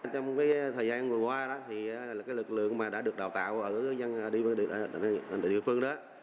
trong thời gian vừa qua lực lượng đã được đào tạo ở địa phương đó